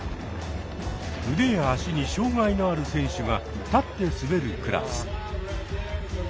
腕や足に障がいのある選手が立って滑るクラス。